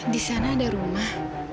di sana ada rumah